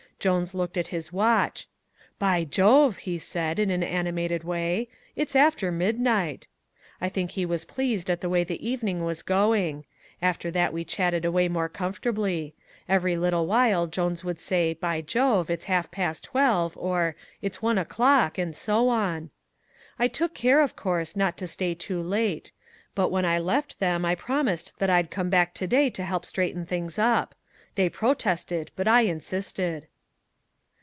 Jones looked at his watch. 'By Jove,' he said, in an animated way, 'it's after midnight.' I think he was pleased at the way the evening was going; after that we chatted away more comfortably. Every little while Jones would say, 'By Jove, it's half past twelve,' or 'it's one o'clock,' and so on. "I took care, of course, not to stay too late. But when I left them I promised that I'd come back to day to help straighten things up. They protested, but I insisted."